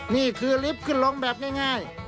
นี่คือลิฟต์ขึ้นลงแบบง่าย